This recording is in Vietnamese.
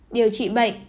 điều trị bệnh